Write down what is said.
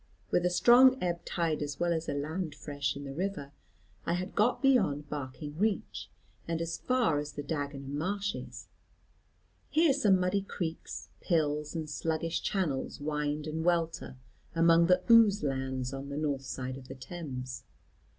With a strong ebb tide as well as a land fresh in the river, I had got beyond Barking Reach, and as far as the Dagenham marshes. Here some muddy creeks, pills, and sluggish channels wind and welter among the ooze lands on the north side of the Thames.